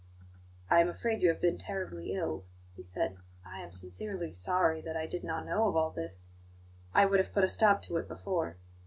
"I am afraid you have been terribly ill," he said. "I am sincerely sorry that I did not know of all this. I would have put a stop to it before."